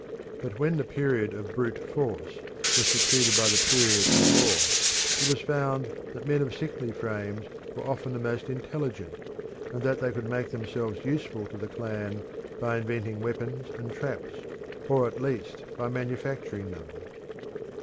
But when the period of brute force was succeeded by the period of law, it was found that the men of sickly frames were often the most intelligent, and that they could make themselves useful to the clan by inventing weapons and traps, or at least by manufacturing them.